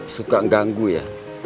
suka ganggu ya